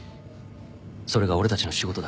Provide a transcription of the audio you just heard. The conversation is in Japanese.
それが俺たちの仕事だ。